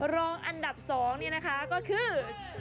ดิฉันได้ขอบคุณ